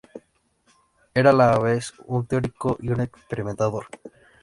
Era a la vez un teórico y un experimentador.